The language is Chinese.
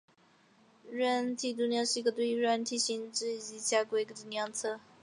软体度量是一个对于软体性质及其规格的量测。